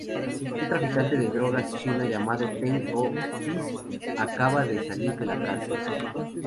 Un traficante de drogas chino llamado Ten-go-pis acaba de salir de la cárcel.